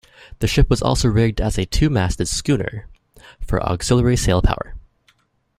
The ship was also rigged as a two-masted schooner for auxiliary sail power.